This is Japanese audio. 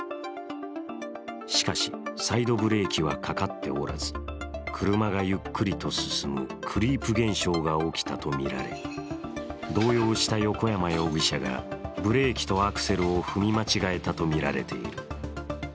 しかしサイドブレーキはかかっておらず、車がゆっくりと進むクリープ現象が起きたとみられ動揺した横山容疑者がブレーキとアクセルを踏み間違えたとみられている。